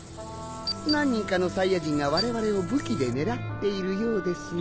何人かのサイヤ人がわれわれを武器で狙っているようですが。